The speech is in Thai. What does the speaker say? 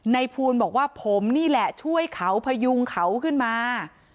ภูลบอกว่าผมนี่แหละช่วยเขาพยุงเขาขึ้นมา